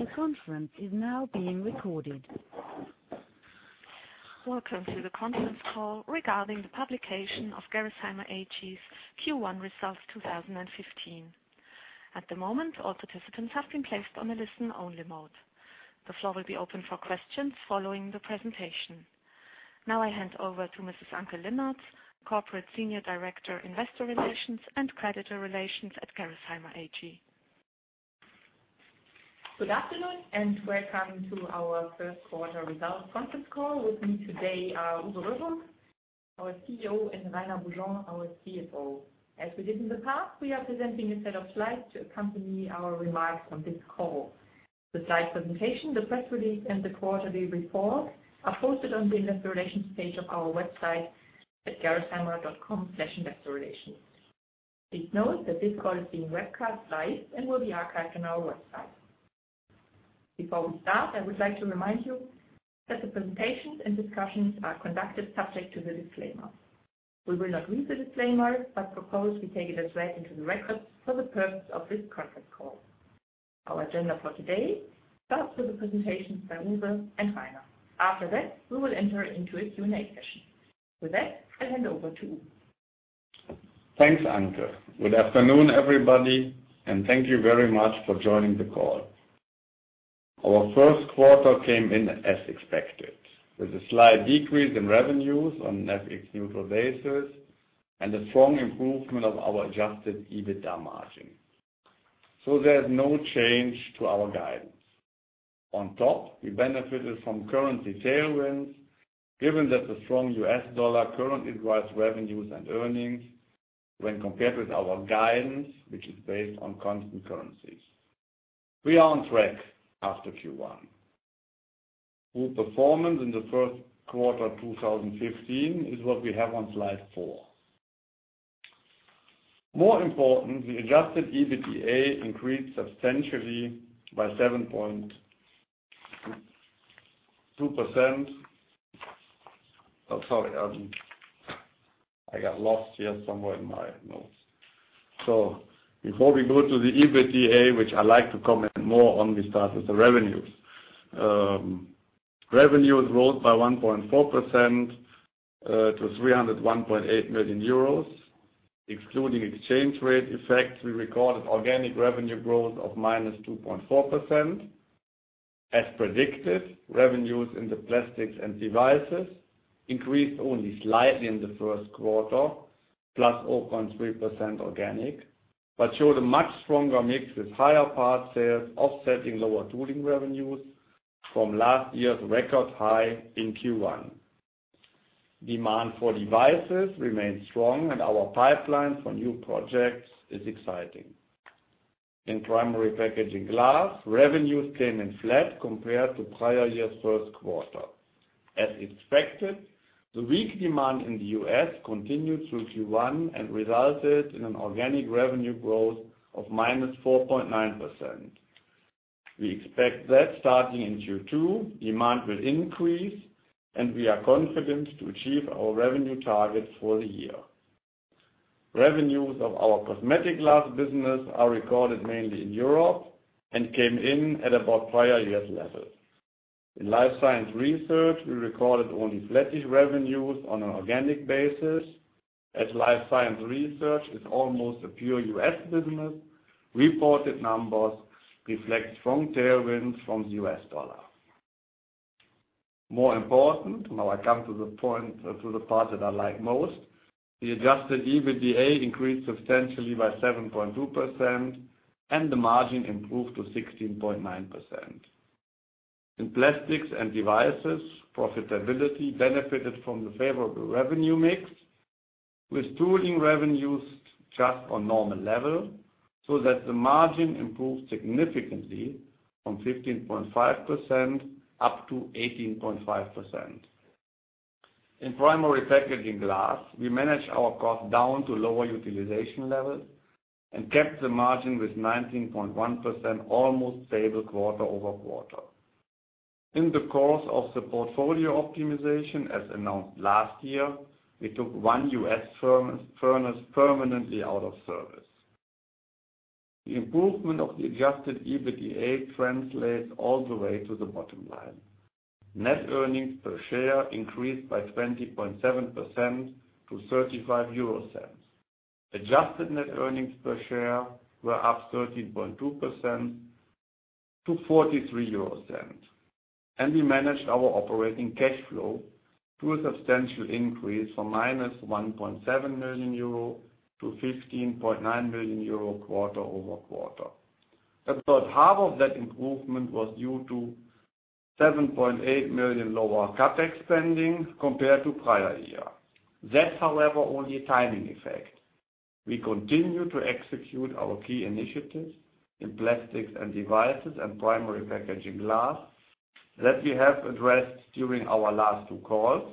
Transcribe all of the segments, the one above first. The conference is now being recorded. Welcome to the conference call regarding the publication of Gerresheimer AG's Q1 results 2015. At the moment, all participants have been placed on a listen-only mode. The floor will be open for questions following the presentation. Now I hand over to Mrs. Anke Limpert, Corporate Senior Director, Investor Relations and Creditor Relations at Gerresheimer AG. Good afternoon, and welcome to our first quarter results conference call. With me today are Uwe Röhrhoff, our CEO, and Rainer Beaujean, our CFO. As we did in the past, we are presenting a set of slides to accompany our remarks on this call. The slide presentation, the press release, and the quarterly report are posted on the investor relations page of our website at gerresheimer.com/investor-relations. Please note that this call is being webcast live and will be archived on our website. Before we start, I would like to remind you that the presentations and discussions are conducted subject to the disclaimer. We will not read the disclaimer but propose we take it as read into the record for the purpose of this conference call. Our agenda for today starts with the presentations by Uwe and Rainer. After that, we will enter into a Q&A session. With that, I hand over to Uwe. Thanks, Anke. Good afternoon, everybody, and thank you very much for joining the call. Our first quarter came in as expected with a slight decrease in revenues on an FX neutral basis and a strong improvement of our adjusted EBITDA margin. There is no change to our guidance. On top, we benefited from currency tailwinds, given that the strong US dollar currently drives revenues and earnings when compared with our guidance, which is based on constant currencies. We are on track after Q1. Group performance in the first quarter 2015 is what we have on slide four. More important, the adjusted EBITDA increased substantially by 7.2%. Sorry, I got lost here somewhere in my notes. Before we go to the EBITDA, which I like to comment more on, we start with the revenues. Revenues rose by 1.4% to 301.8 million euros. Excluding exchange rate effects, we recorded organic revenue growth of -2.4%. As predicted, revenues in the Plastics & Devices increased only slightly in the first quarter, plus 0.3% organic, but showed a much stronger mix with higher parts sales offsetting lower tooling revenues from last year's record high in Q1. Demand for devices remains strong and our pipeline for new projects is exciting. In Primary Packaging Glass, revenues came in flat compared to prior year's first quarter. As expected, the weak demand in the U.S. continued through Q1 and resulted in an organic revenue growth of -4.9%. We expect that starting in Q2, demand will increase, and we are confident to achieve our revenue targets for the year. Revenues of our cosmetic glass business are recorded mainly in Europe and came in at about prior year's level. In Life Science Research, we recorded only flat-ish revenues on an organic basis. As Life Science Research is almost a pure U.S. business, reported numbers reflect strong tailwinds from the U.S. dollar. More important, now I come to the part that I like most, the adjusted EBITDA increased substantially by 7.2%, and the margin improved to 16.9%. In Plastics & Devices, profitability benefited from the favorable revenue mix, with tooling revenues just on normal level, so that the margin improved significantly from 15.5% up to 18.5%. In Primary Packaging Glass, we managed our cost down to lower utilization levels and kept the margin with 19.1% almost stable quarter-over-quarter. In the course of the portfolio optimization, as announced last year, we took one U.S. furnace permanently out of service. The improvement of the adjusted EBITDA translates all the way to the bottom line. Net earnings per share increased by 20.7% to 0.35. Adjusted net earnings per share were up 13.2% to 0.43. We managed our operating cash flow through a substantial increase from -1.7 million euro to 15.9 million euro quarter-over-quarter. About half of that improvement was due to 7.8 million lower CapEx spending compared to prior year. That, however, is only a timing effect. We continue to execute our key initiatives in Plastics & Devices and Primary Packaging Glass that we have addressed during our last two calls,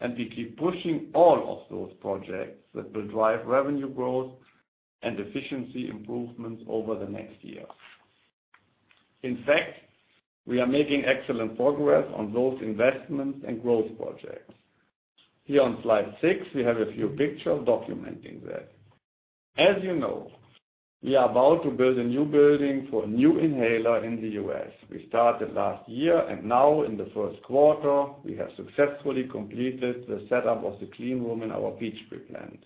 and we keep pushing all of those projects that will drive revenue growth and efficiency improvements over the next year. In fact, we are making excellent progress on those investments and growth projects. Here on slide six, we have a few pictures documenting that. As you know, we are about to build a new building for a new inhaler in the U.S. We started last year, and now in the first quarter, we have successfully completed the setup of the clean room in our Peachtree plant.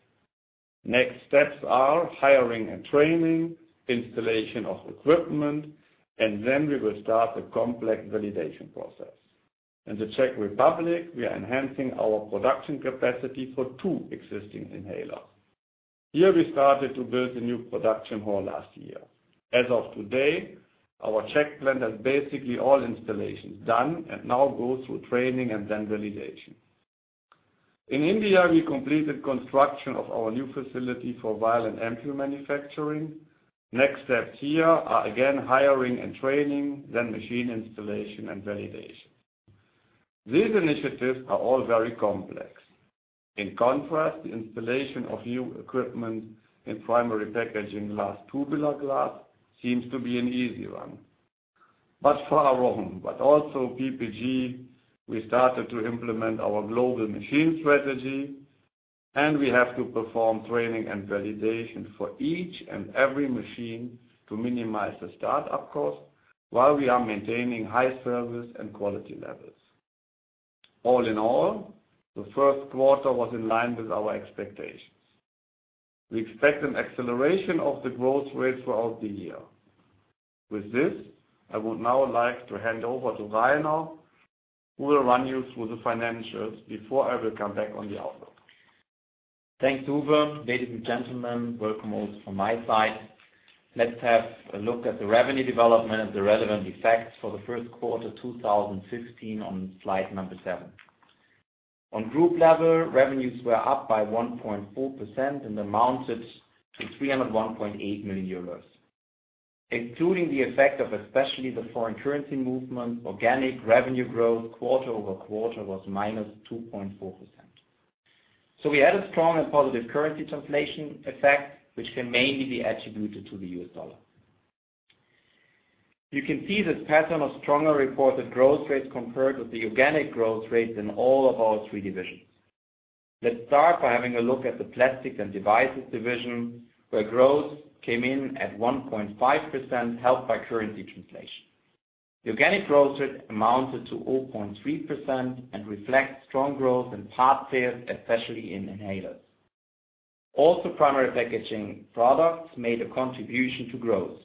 Next steps are hiring and training, installation of equipment, and then we will start the complex validation process. In the Czech Republic, we are enhancing our production capacity for two existing inhalers. Here we started to build a new production hall last year. As of today, our Czech plant has basically all installations done and now goes through training and then validation. In India, we completed construction of our new facility for vial and ampoule manufacturing. Next steps here are, again, hiring and training, then machine installation and validation. These initiatives are all very complex. In contrast, the installation of new equipment in Primary Packaging Glass tubular glass seems to be an easy one. Far wrong. Also PPG, we started to implement our global machine strategy, and we have to perform training and validation for each and every machine to minimize the start-up cost while we are maintaining high service and quality levels. All in all, the first quarter was in line with our expectations. We expect an acceleration of the growth rate throughout the year. With this, I would now like to hand over to Rainer, who will run you through the financials before I will come back on the outlook. Thanks, Uwe. Ladies and gentlemen, welcome also from my side. Let's have a look at the revenue development and the relevant effects for the first quarter 2015 on slide number seven. On group level, revenues were up by 1.4% and amounted to 301.8 million euros. Including the effect of especially the foreign currency movement, organic revenue growth quarter-over-quarter was -2.4%. We had a strong and positive currency translation effect, which can mainly be attributed to the US dollar. You can see this pattern of stronger reported growth rates compared with the organic growth rates in all of our three divisions. Let's start by having a look at the Plastics & Devices division, where growth came in at 1.5%, helped by currency translation. The organic growth rate amounted to 0.3% and reflects strong growth in part sales, especially in inhalers. Also, primary packaging products made a contribution to growth.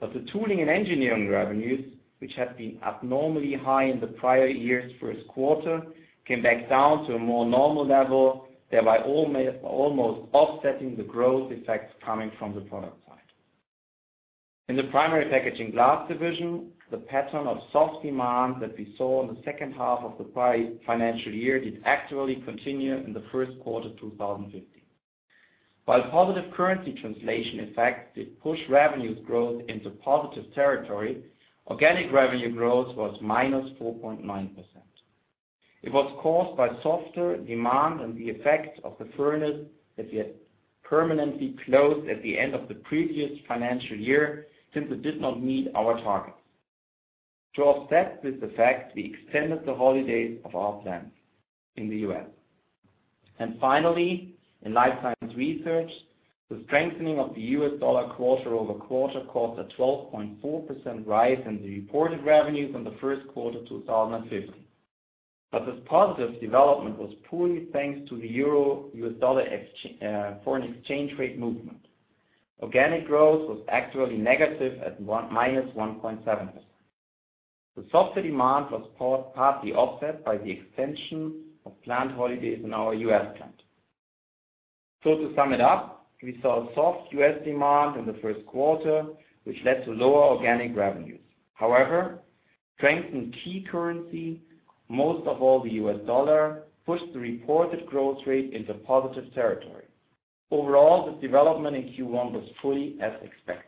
The tooling and engineering revenues, which had been abnormally high in the prior year's first quarter, came back down to a more normal level, thereby almost offsetting the growth effects coming from the product side. In the Primary Packaging Glass division, the pattern of soft demand that we saw in the second half of the prior financial year did actually continue in the first quarter 2015. While positive currency translation effects did push revenues growth into positive territory, organic revenue growth was -4.9%. It was caused by softer demand and the effect of the furnace that we had permanently closed at the end of the previous financial year, since it did not meet our targets. To offset this effect, we extended the holidays of our plants in the U.S. Finally, in Life Science Research, the strengthening of the US dollar quarter-over-quarter caused a 12.4% rise in the reported revenues in the first quarter 2015. This positive development was purely thanks to the euro-US dollar foreign exchange rate movement. Organic growth was actually negative at -1.7%. The softer demand was partly offset by the extension of plant holidays in our U.S. plant. To sum it up, we saw a soft U.S. demand in the first quarter, which led to lower organic revenues. However, strengthened key currency, most of all the US dollar, pushed the reported growth rate into positive territory. Overall, this development in Q1 was fully as expected.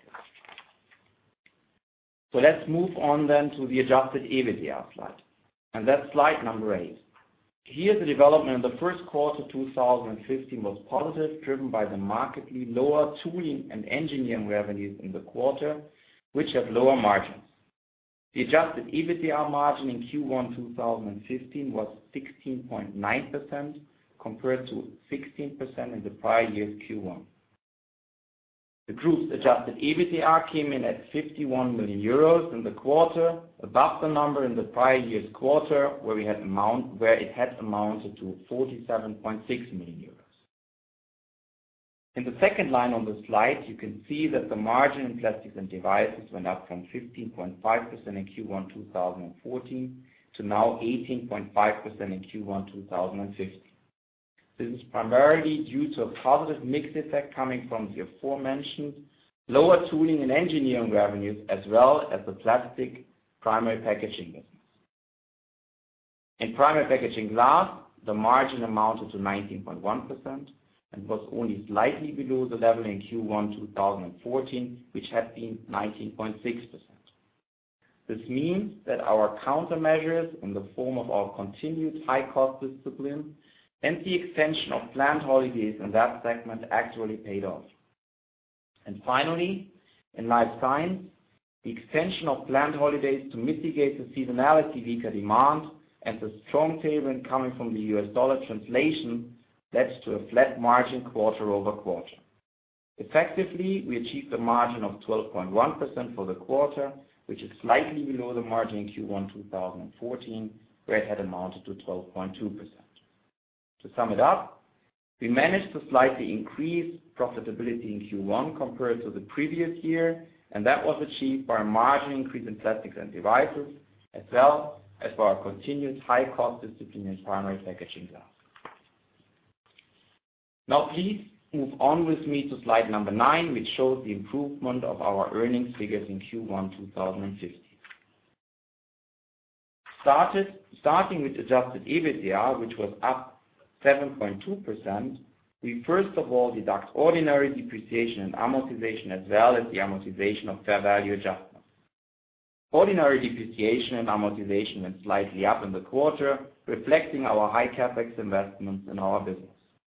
Let's move on then to the adjusted EBITDA slide, and that's slide number eight. Here, the development in the first quarter 2015 was positive, driven by the markedly lower tooling and engineering revenues in the quarter, which have lower margins. The adjusted EBITDA margin in Q1 2015 was 16.9%, compared to 16% in the prior year's Q1. The Group's adjusted EBITDA came in at 51 million euros in the quarter, above the number in the prior year's quarter, where it had amounted to 47.6 million euros. In the second line on the slide, you can see that the margin in Plastics & Devices went up from 15.5% in Q1 2014 to now 18.5% in Q1 2015. This is primarily due to a positive mix effect coming from the aforementioned lower tooling and engineering revenues, as well as the plastic primary packaging business. In Primary Packaging Glass, the margin amounted to 19.1% and was only slightly below the level in Q1 2014, which had been 19.6%. This means that our countermeasures in the form of our continued high cost discipline and the extension of plant holidays in that segment actually paid off. Finally, in Life Science, the extension of planned holidays to mitigate the seasonality weaker demand and the strong tailwind coming from the U.S. dollar translation led to a flat margin quarter-over-quarter. Effectively, we achieved a margin of 12.1% for the quarter, which is slightly below the margin in Q1 2014, where it had amounted to 12.2%. To sum it up, we managed to slightly increase profitability in Q1 compared to the previous year. That was achieved by a margin increase in Plastics & Devices, as well as for our continued high cost discipline in Primary Packaging Glass. Please move on with me to slide number 9, which shows the improvement of our earnings figures in Q1 2015. Starting with adjusted EBITDA, which was up 7.2%, we first of all deduct ordinary depreciation and amortization, as well as the amortization of fair value adjustment. Ordinary depreciation and amortization went slightly up in the quarter, reflecting our high CapEx investments in our business.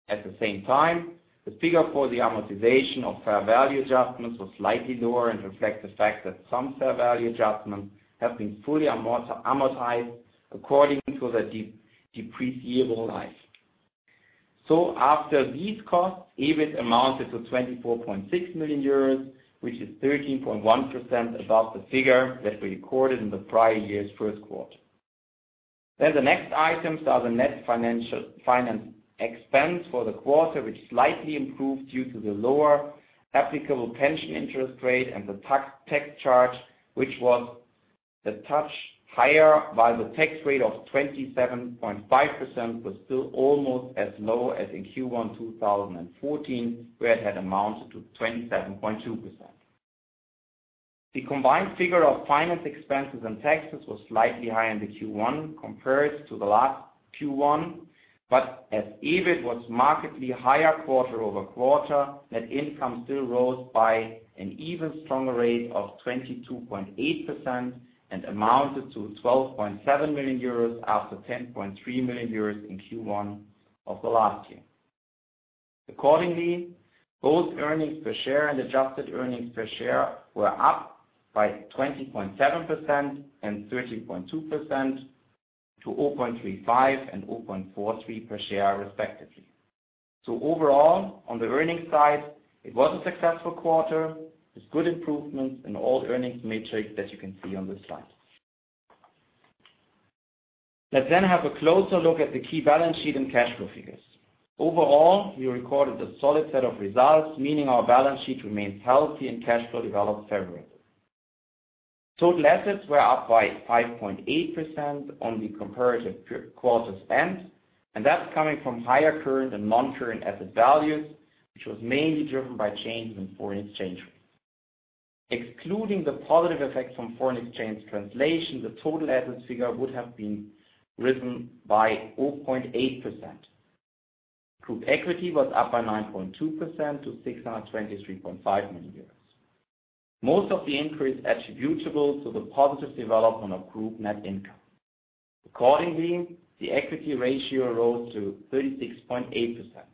At the same time, the figure for the amortization of fair value adjustments was slightly lower and reflects the fact that some fair value adjustments have been fully amortized according to the depreciable life. After these costs, EBIT amounted to 24.6 million euros, which is 13.1% above the figure that we recorded in the prior year's first quarter. The next items are the net finance expense for the quarter, which slightly improved due to the lower applicable pension interest rate and the tax charge, which was a touch higher, while the tax rate of 27.5% was still almost as low as in Q1 2014, where it had amounted to 27.2%. The combined figure of finance expenses and taxes was slightly higher in the Q1 compared to the last Q1. As EBIT was markedly higher quarter-over-quarter, net income still rose by an even stronger rate of 22.8% and amounted to 12.7 million euros after 10.3 million euros in Q1 of the last year. Accordingly, both earnings per share and adjusted earnings per share were up by 20.7% and 13.2% to 0.35 and 0.43 per share, respectively. Overall, on the earnings side, it was a successful quarter with good improvements in all earnings metrics that you can see on this slide. Let's have a closer look at the key balance sheet and cash flow figures. Overall, we recorded a solid set of results, meaning our balance sheet remains healthy and cash flow developed favorably. Total assets were up by 5.8% on the comparative quarter's end, and that's coming from higher current and non-current asset values, which was mainly driven by changes in foreign exchange rates. Excluding the positive effect from foreign exchange translation, the total assets figure would have risen by 0.8%. Group equity was up by 9.2% to 623.5 million euros. Most of the increase attributable to the positive development of group net income. Accordingly, the equity ratio rose to 36.8%. Net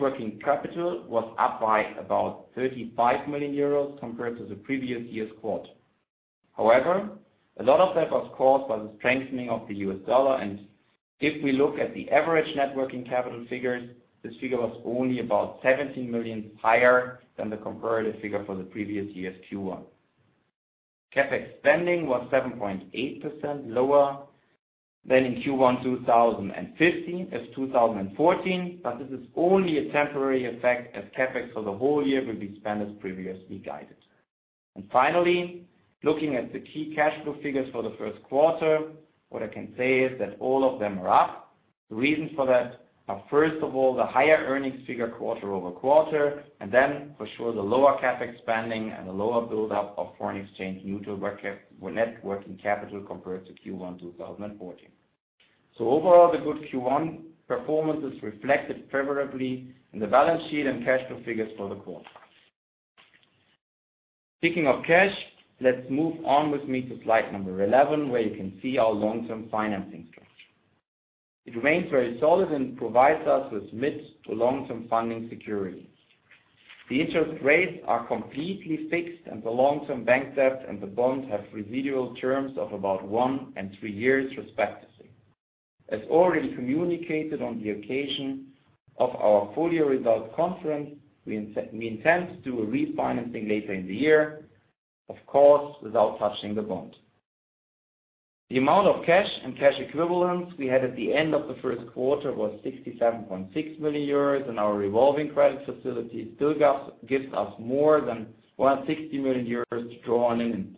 working capital was up by about 35 million euros compared to the previous year's quarter. However, a lot of that was caused by the strengthening of the US dollar, and if we look at the average net working capital figures, this figure was only about 17 million higher than the comparative figure for the previous year's Q1. CapEx spending was 7.8% lower than in Q1 2014, but this is only a temporary effect as CapEx for the whole year will be spent as previously guided. Finally, looking at the key cash flow figures for the first quarter, what I can say is that all of them are up. The reasons for that are, first of all, the higher earnings figure quarter-over-quarter, for sure, the lower CapEx spending and the lower buildup of foreign exchange neutral net working capital compared to Q1 2014. Overall, the good Q1 performance is reflected favorably in the balance sheet and cash flow figures for the quarter. Speaking of cash, let's move on with me to slide number 11, where you can see our long-term financing structure. It remains very solid and provides us with mid to long-term funding security. The interest rates are completely fixed and the long-term bank debt and the bond have residual terms of about one and three years respectively. As already communicated on the occasion of our full-year results conference, we intend to do a refinancing later in the year, of course, without touching the bond. The amount of cash and cash equivalents we had at the end of the first quarter was 67.6 million euros, and our revolving credit facility still gives us more than 160 million euros to draw on in instance.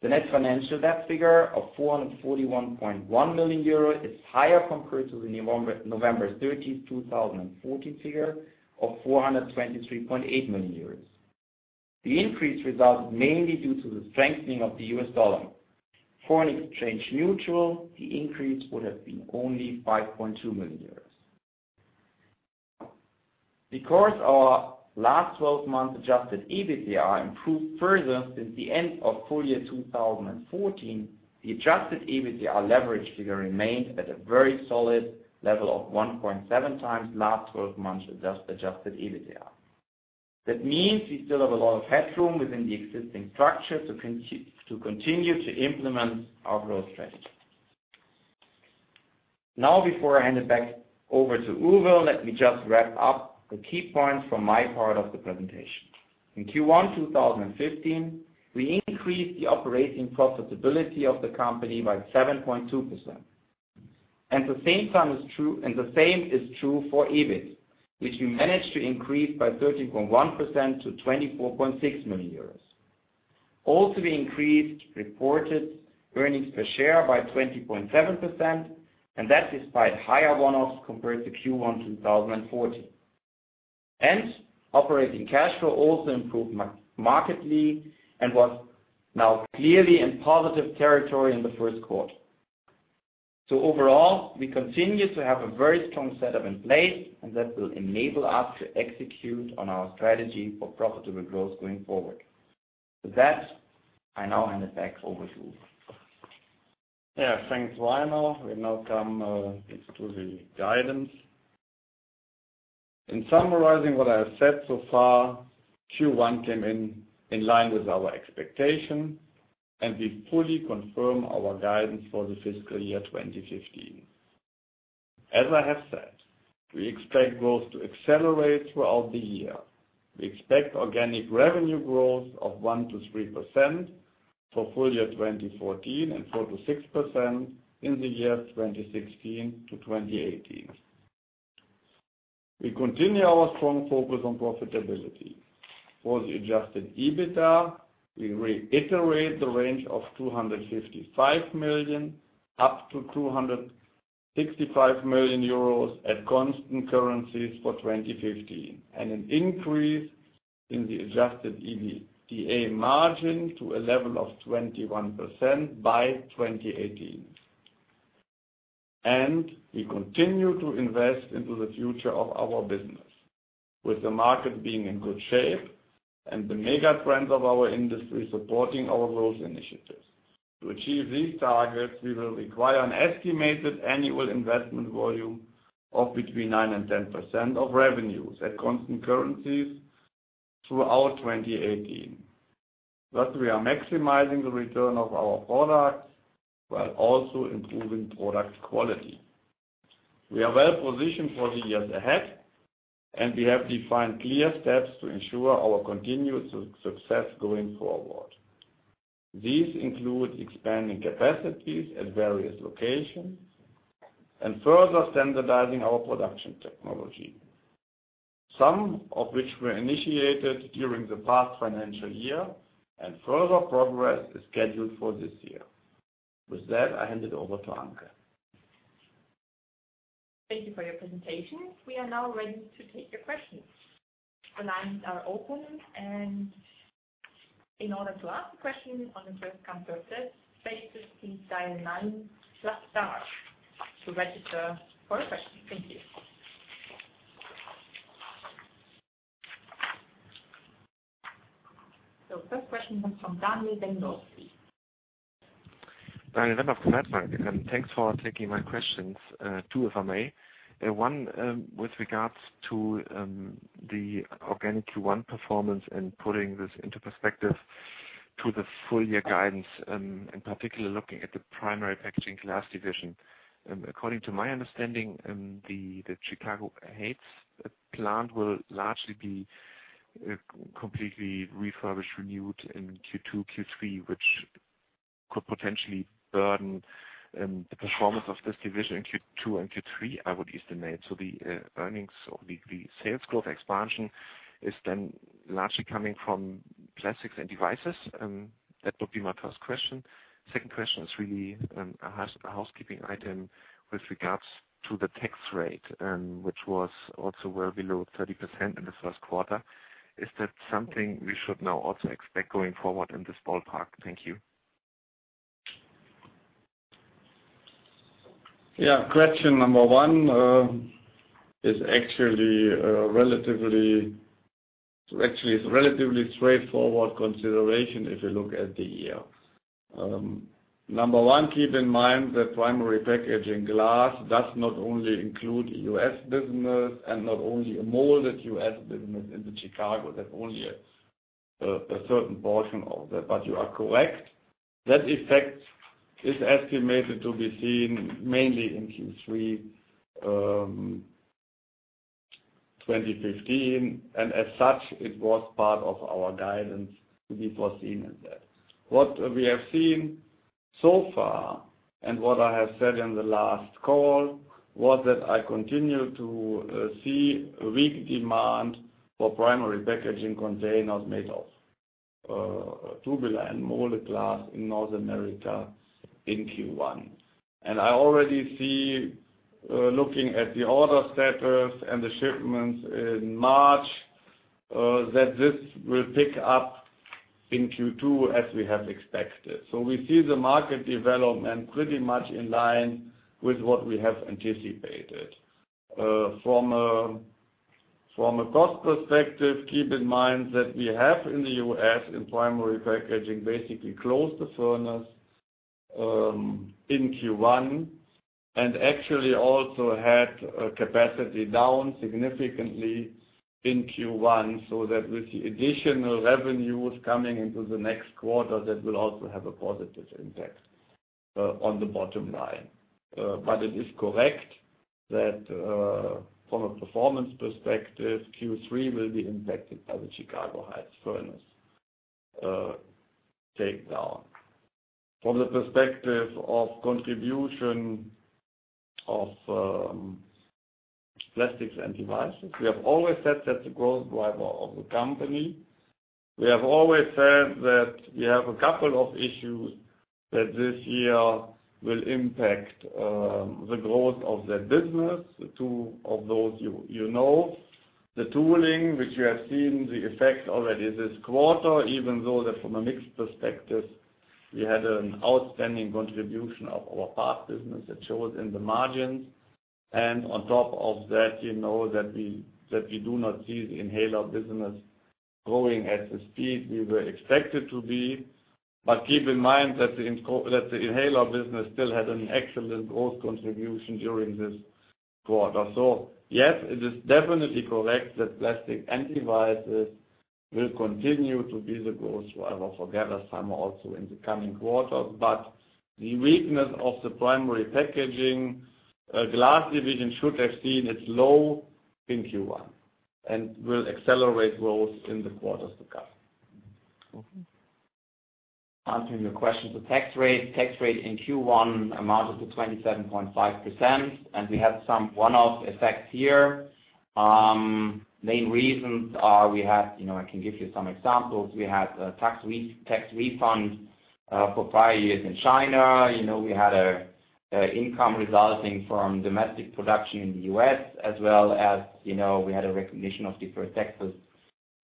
The net financial debt figure of 441.1 million euros is higher compared to the November 30th, 2014 figure of 423.8 million euros. The increase resulted mainly due to the strengthening of the US dollar. Foreign exchange neutral, the increase would have been only 5.2 million euros. Because our last 12 months adjusted EBITDA improved further since the end of full year 2014, the adjusted EBITDA leverage figure remains at a very solid level of 1.7 times last 12 months adjusted EBITDA. That means we still have a lot of headroom within the existing structure to continue to implement our growth strategy. Now, before I hand it back over to Uwe, let me just wrap up the key points from my part of the presentation. In Q1 2015, we increased the operating profitability of the company by 7.2%. The same is true for EBIT, which we managed to increase by 13.1% to 24.6 million euros. Also, we increased reported earnings per share by 20.7%, and that despite higher one-offs compared to Q1 2014. Operating cash flow also improved markedly and was now clearly in positive territory in the first quarter. Overall, we continue to have a very strong setup in place, and that will enable us to execute on our strategy for profitable growth going forward. With that, I now hand it back over to Uwe. Yeah. Thanks, Rainer. We now come into the guidance. In summarizing what I have said so far, Q1 came in in line with our expectation, and we fully confirm our guidance for the fiscal year 2015. As I have said, we expect growth to accelerate throughout the year. We expect organic revenue growth of 1%-3% for full year 2014, and 4%-6% in the year 2016-2018. We continue our strong focus on profitability. For the adjusted EBITDA, we reiterate the range of 255 million up to 265 million euros at constant currencies for 2015, and an increase in the adjusted EBITDA margin to a level of 21% by 2018. We continue to invest into the future of our business, with the market being in good shape and the mega trends of our industry supporting our growth initiatives. To achieve these targets, we will require an estimated annual investment volume of between 9%-10% of revenues at constant currencies throughout 2018. Thus, we are maximizing the return of our products while also improving product quality. We are well-positioned for the years ahead, and we have defined clear steps to ensure our continued success going forward. These include expanding capacities at various locations and further standardizing our production technology, some of which were initiated during the past financial year, and further progress is scheduled for this year. With that, I hand it over to Anke. Thank you for your presentation. We are now ready to take your questions. The lines are open, and in order to ask a question on a first-come, first-served basis, please dial nine plus star to register for a question. Thank you. First question comes from Daniel Daniel, thanks for taking my questions. Two, if I may. One, with regards to the organic Q1 performance and putting this into perspective to the full-year guidance, in particular, looking at the Primary Packaging Glass division. According to my understanding, the Chicago Heights plant will largely be completely refurbished, renewed in Q2, Q3, which could potentially burden the performance of this division in Q2 and Q3, I would estimate. The earnings or the sales growth expansion is then largely coming from Plastics & Devices. That would be my first question. Second question is really a housekeeping item with regards to the tax rate, which was also well below 30% in the first quarter. Is that something we should now also expect going forward in this ballpark? Thank you. Question number one is actually a relatively straightforward consideration if you look at the year. Number one, keep in mind that Primary Packaging Glass does not only include U.S. business and not only a molded U.S. business in the Chicago. That's only a certain portion of that. You are correct. That effect is estimated to be seen mainly in Q3 2015, and as such, it was part of our guidance to be foreseen in that. What we have seen so far, and what I have said in the last call, was that I continue to see weak demand for primary packaging containers made of tubular and molded glass in North America in Q1. I already see, looking at the order status and the shipments in March, that this will pick up in Q2 as we have expected. We see the market development pretty much in line with what we have anticipated. From a cost perspective, keep in mind that we have in the U.S., in primary packaging, basically closed the furnace in Q1, and actually also had capacity down significantly in Q1, so that with the additional revenues coming into the next quarter, that will also have a positive impact on the bottom line. It is correct that, from a performance perspective, Q3 will be impacted by the Chicago Heights furnace takedown. From the perspective of contribution of Plastics & Devices, we have always said that's the growth driver of the company. We have always said that we have a couple of issues that this year will impact the growth of that business. Two of those you know. The tooling, which you have seen the effects already this quarter, even though that from a mix perspective, we had an outstanding contribution of our Plastics business that shows in the margins. On top of that, you know that we do not see the inhaler business growing at the speed we were expected to be. Keep in mind that the inhaler business still had an excellent growth contribution during this quarter. Yes, it is definitely correct that Plastics & Devices will continue to be the growth driver for Gerresheimer also in the coming quarters. The weakness of the Primary Packaging Glass division should have seen its low in Q1, and will accelerate growth in the quarters to come. Okay. Answering your question to tax rate. Tax rate in Q1 amounted to 27.5%. We had some one-off effects here. Main reasons are we had, I can give you some examples. We had a tax refund for prior years in China. We had income resulting from domestic production in the U.S., as well as we had a recognition of deferred taxes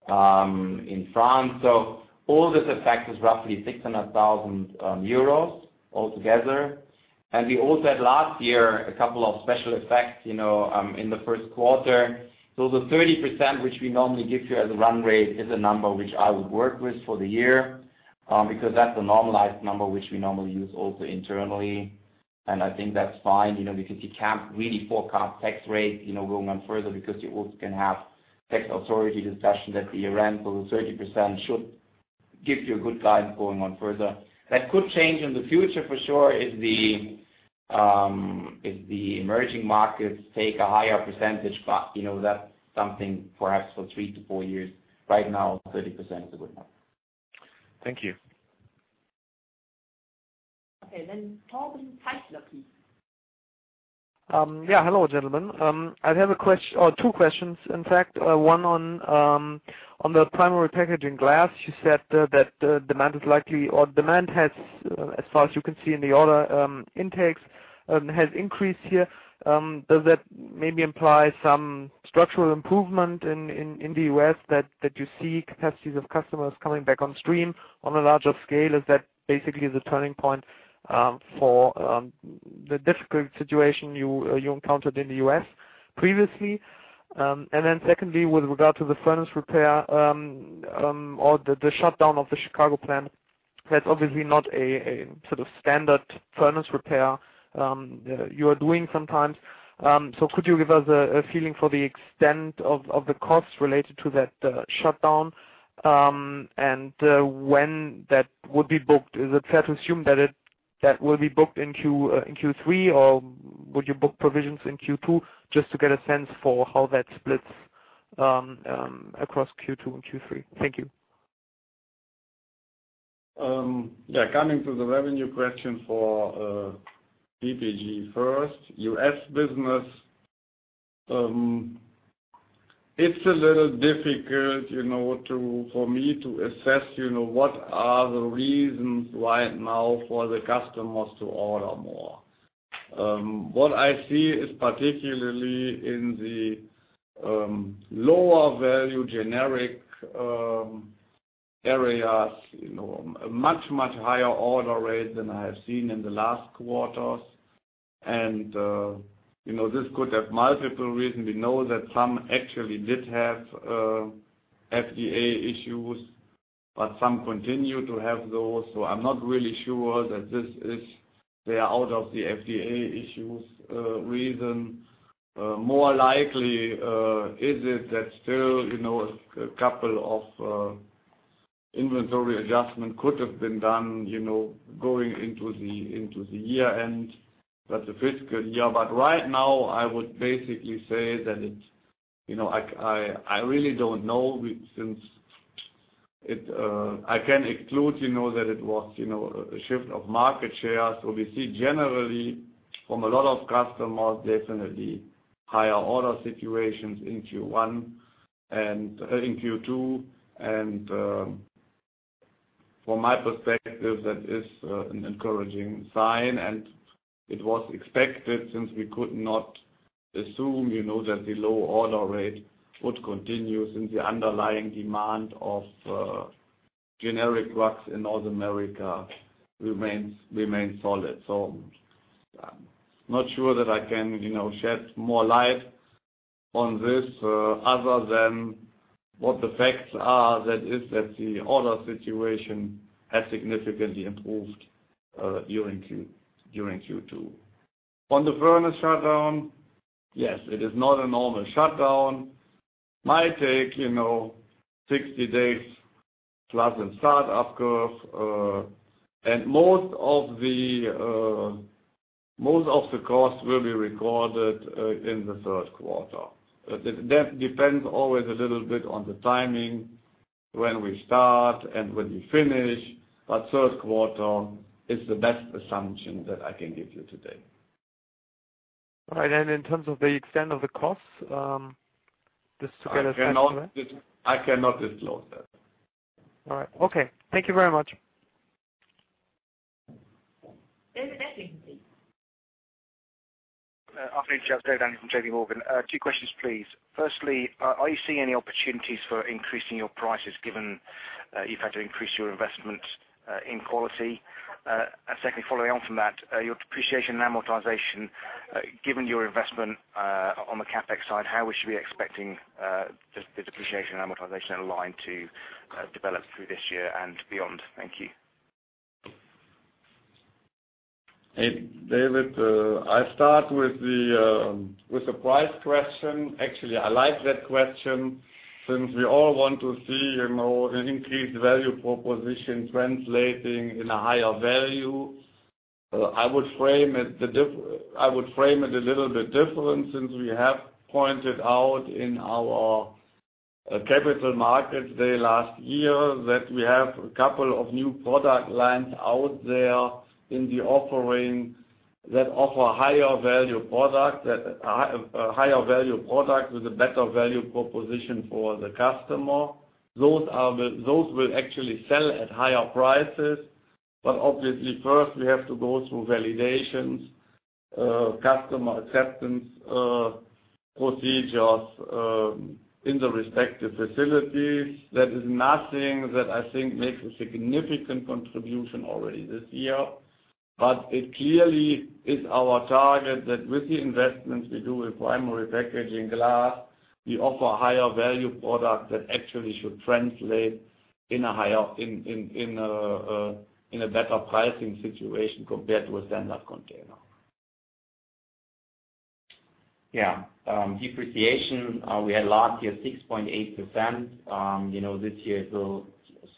in France. All this effect was roughly 600,000 euros altogether. We also had last year a couple of special effects, in the first quarter. The 30%, which we normally give you as a run rate, is a number which I would work with for the year, because that's a normalized number, which we normally use also internally. I think that's fine, because you can't really forecast tax rates, going on further because you also can have tax authority discussion that the [run rate] of 30% should give you a good guide going on further. That could change in the future for sure if the emerging markets take a higher percentage, but that's something perhaps for three to four years. Right now, 30% is a good number. Thank you. Okay, Torben Teisler please. Yeah. Hello, gentlemen. I have a question or two questions, in fact. One on the Primary Packaging Glass. You said that demand is likely or demand has, as far as you can see in the order intakes, has increased here. Does that maybe imply some structural improvement in the U.S. that you see capacities of customers coming back on stream on a larger scale? Is that basically the turning point for the difficult situation you encountered in the U.S. previously? Secondly, with regard to the furnace repair, or the shutdown of the Chicago plant. That's obviously not a sort of standard furnace repair you are doing sometimes. Could you give us a feeling for the extent of the costs related to that shutdown, and when that would be booked? Is it fair to assume that will be booked in Q3, or would you book provisions in Q2 just to get a sense for how that splits across Q2 and Q3? Thank you. Coming to the revenue question for PPG first. U.S. business, it's a little difficult for me to assess what are the reasons right now for the customers to order more. What I see is particularly in the lower value generic areas, a much higher order rate than I have seen in the last quarters. This could have multiple reasons. We know that some actually did have FDA issues, but some continue to have those. I'm not really sure that they are out of the FDA issues reason. More likely is it that still a couple of inventory adjustment could have been done, going into the year end, that's the fiscal year. Right now, I would basically say that I really don't know since I can exclude that it was a shift of market share. We see generally from a lot of customers, definitely higher order situations in Q2. From my perspective, that is an encouraging sign and it was expected since we could not assume that the low order rate would continue since the underlying demand of generic drugs in North America remains solid. I'm not sure that I can shed more light on this, other than what the facts are, that is that the order situation has significantly improved during Q2. On the furnace shutdown, yes, it is not a normal shutdown. Might take 60 days plus in startup curve. Most of the cost will be recorded in the third quarter. That depends always a little bit on the timing, when we start and when we finish. Third quarter is the best assumption that I can give you today. All right. In terms of the extent of the cost. I cannot disclose that. All right. Okay. Thank you very much. David, please. Afternoon, gents. David Adlington from JPMorgan. Two questions, please. Firstly, are you seeing any opportunities for increasing your prices given that you've had to increase your investment in quality? Secondly, following on from that, your depreciation amortization, given your investment on the CapEx side, how we should be expecting the depreciation and amortization in line to develop through this year and beyond? Thank you. Hey, David. I start with the price question. Actually, I like that question since we all want to see an increased value proposition translating in a higher value. I would frame it a little bit different since we have pointed out in our Capital Markets Day last year that we have a couple of new product lines out there in the offering that offer higher value product with a better value proposition for the customer. Those will actually sell at higher prices. Obviously, first we have to go through validations, customer acceptance, procedures, in the respective facilities. That is nothing that I think makes a significant contribution already this year. It clearly is our target that with the investments we do with Primary Packaging Glass, we offer higher value product that actually should translate in a better pricing situation compared with standard container. Yes. Depreciation, we had last year 6.8%. This year is a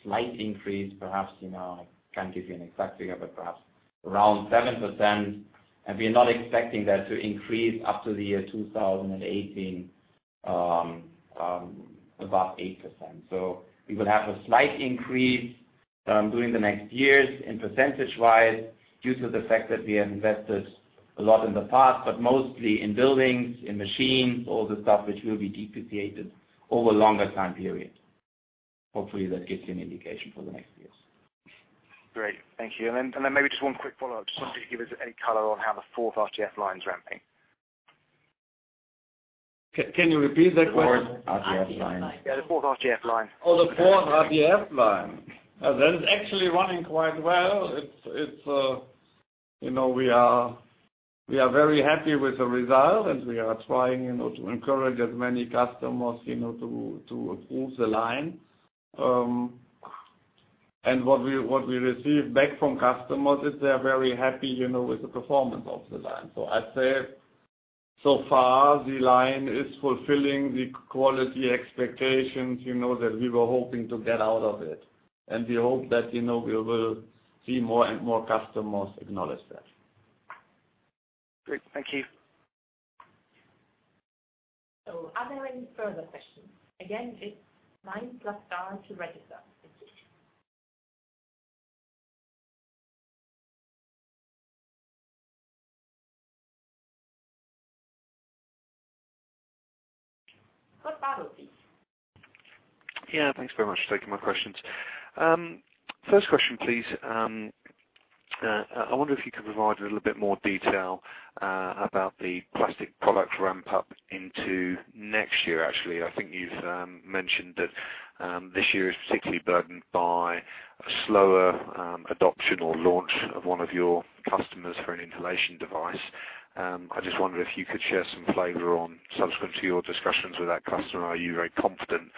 slight increase, perhaps. I can't give you an exact figure, but perhaps around 7%. We are not expecting that to increase up to the year 2018, above 8%. We will have a slight increase during the next years in percentage-wise due to the fact that we have invested a lot in the past, but mostly in buildings, in machines, all the stuff which will be depreciated over longer time period. Hopefully that gives you an indication for the next years. Great. Thank you. Then maybe just one quick follow-up. Just wonder if you could give us any color on how the fourth RTF line is ramping. Can you repeat that question? The fourth RTF line. Yes, the fourth RTF line. Oh, the fourth RTF line. That is actually running quite well. We are very happy with the result. We are trying to encourage as many customers to approve the line. What we receive back from customers is they are very happy with the performance of the line. I'd say so far the line is fulfilling the quality expectations that we were hoping to get out of it. We hope that we will see more and more customers acknowledge that. Great. Thank you. Are there any further questions? Again, it's nine plus star to register. Thank you. Scott, please. Thanks very much for taking my questions. First question, please. I wonder if you could provide a little bit more detail about the plastic products ramp up into next year actually. I think you've mentioned that this year is particularly burdened by a slower adoption or launch of one of your customers for an inhalation device. I just wonder if you could share some flavor on, subsequent to your discussions with that customer, are you very confident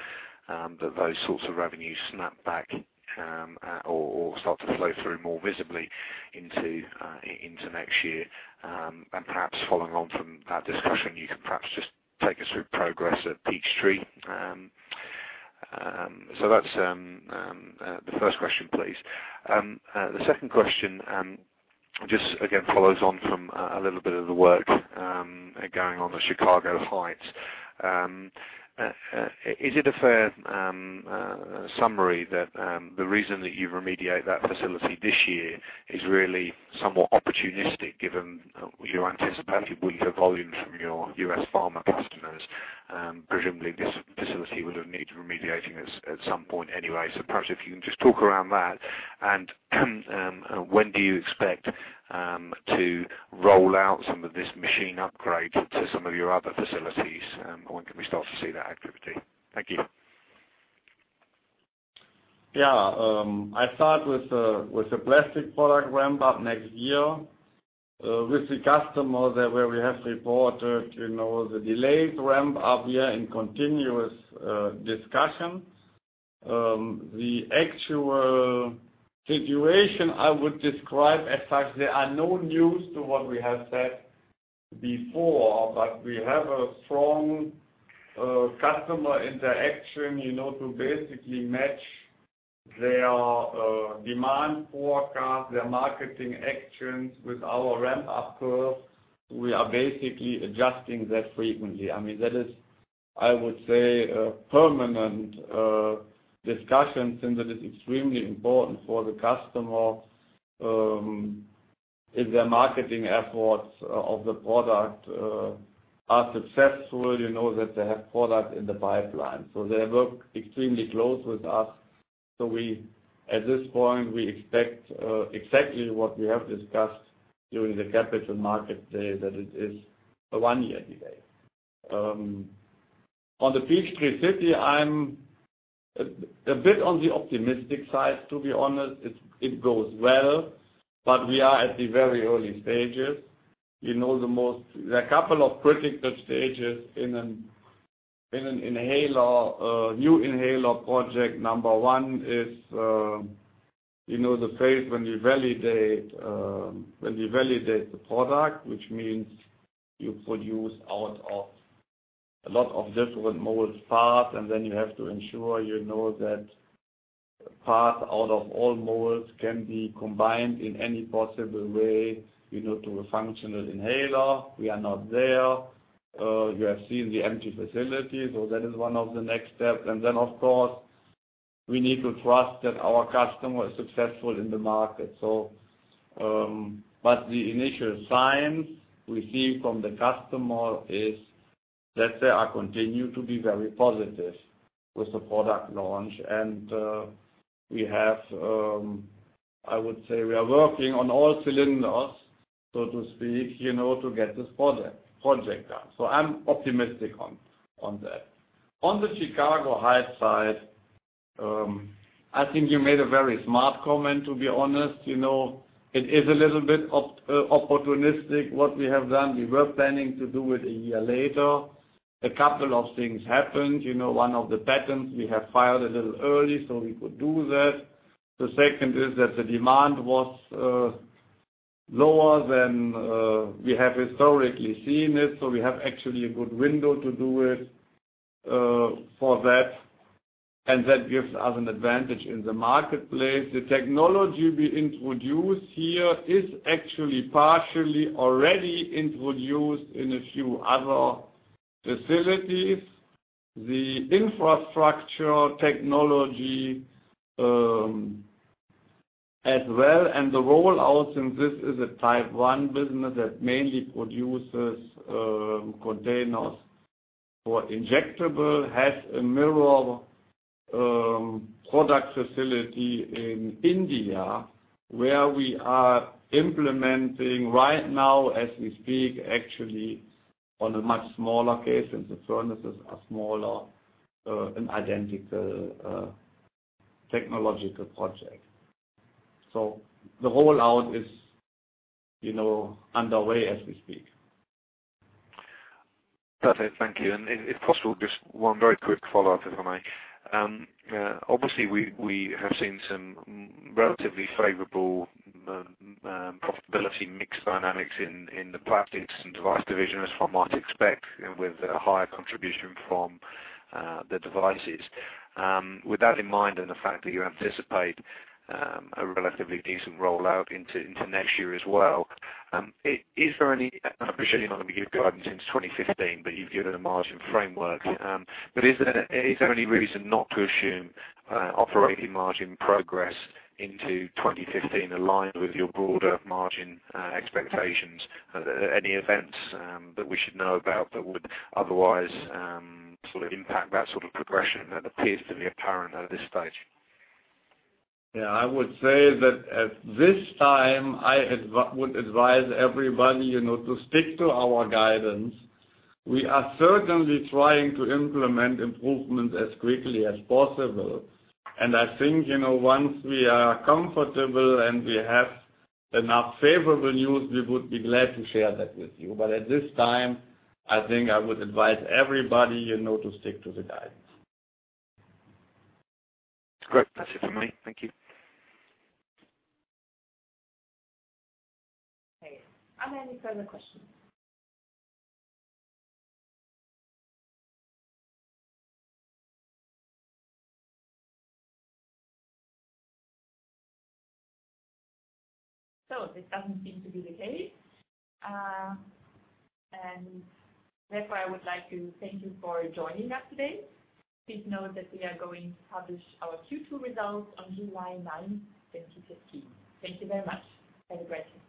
that those sorts of revenues snap back or start to flow through more visibly into next year? Perhaps following on from that discussion, you could perhaps just take us through progress at Peachtree. That's the first question, please. The second question, just again follows on from a little bit of the work going on with Chicago Heights. Is it a fair summary that the reason that you remediate that facility this year is really somewhat opportunistic given your anticipated weaker volumes from your U.S. pharma customers? Presumably this facility would have needed remediating at some point anyway. Perhaps if you can just talk around that, when do you expect to roll out some of this machine upgrade to some of your other facilities? When can we start to see that activity? Thank you. I start with the plastic product ramp-up next year. With the customer where we have reported the delayed ramp-up, we are in continuous discussion. The actual situation I would describe as such, there are no news to what we have said before, but we have a strong customer interaction, to basically match their demand forecast, their marketing actions with our ramp-up curve. We are basically adjusting that frequently. That is, I would say, a permanent discussion since it is extremely important for the customer, if their marketing efforts of the product are successful, that they have product in the pipeline. They work extremely close with us. At this point, we expect exactly what we have discussed during the Capital Markets Day, that it is a one-year delay. On the Peachtree City, I'm a bit on the optimistic side, to be honest. It goes well, we are at the very early stages. There are a couple of critical stages in a new inhaler project. Number one is the phase when you validate the product, which means you produce out of a lot of different mold parts, and then you have to ensure that parts out of all molds can be combined in any possible way to a functional inhaler. We are not there. You have seen the empty facility, that is one of the next steps. Then, of course, we need to trust that our customer is successful in the market. The initial signs we see from the customer is that they are continue to be very positive with the product launch. I would say we are working on all cylinders, so to speak, to get this project done. I'm optimistic on that. On the Chicago Heights side, I think you made a very smart comment, to be honest. It is a little bit opportunistic what we have done. We were planning to do it a year later. A couple of things happened. One of the patents we have filed a little early, we could do that. The second is that the demand was lower than we have historically seen it, we have actually a good window to do it for that gives us an advantage in the marketplace. The technology we introduce here is actually partially already introduced in a few other facilities. The infrastructure technology, as well, the rollout, this is a type 1 business that mainly produces containers for injectable, has a mirror product facility in India, where we are implementing right now as we speak, actually, on a much smaller case, since the furnaces are smaller, an identical technological project. The rollout is underway as we speak. Perfect. Thank you. If possible, just one very quick follow-up, if I may. Obviously, we have seen some relatively favorable profitability mix dynamics in the Plastics & Devices division, as one might expect, with a higher contribution from the devices. With that in mind and the fact that you anticipate a relatively decent rollout into next year as well, I appreciate you're not going to give guidance into 2015, but you've given a margin framework. Is there any reason not to assume operating margin progress into 2015 aligned with your broader margin expectations? Any events that we should know about that would otherwise impact that sort of progression that appears to be apparent at this stage? I would say that at this time, I would advise everybody to stick to our guidance. We are certainly trying to implement improvements as quickly as possible. I think, once we are comfortable and we have enough favorable news, we would be glad to share that with you. At this time, I think I would advise everybody to stick to the guidance. That's great. That's it from me. Thank you. Are there any further questions? This doesn't seem to be the case. Therefore, I would like to thank you for joining us today. Please note that we are going to publish our Q2 results on July 9, 2015. Thank you very much. Have a great day.